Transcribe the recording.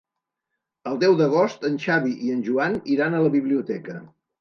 El deu d'agost en Xavi i en Joan iran a la biblioteca.